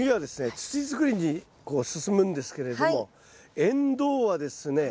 土づくりにこう進むんですけれどもエンドウはですね